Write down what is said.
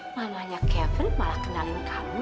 malah malah kevin malah kenalin kamu